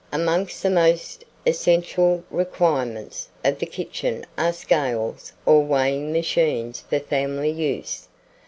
AMONGST THE MOST ESSENTIAL REQUIREMENTS of the kitchen are scales or weighing machines for family use.